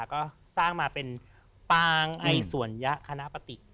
ก็สร้างมาเป็นปางไอสวนยะคณะปฏิ